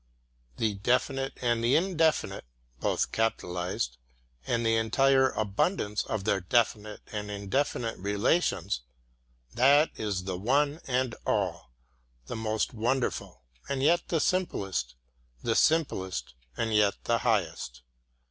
The Definite and the Indefinite and the entire abundance of their definite and indefinite relations that is the one and all, the most wonderful and yet the simplest, the simplest and yet the highest.